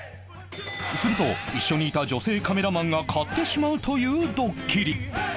すると一緒にいた女性カメラマンが買ってしまうというドッキリ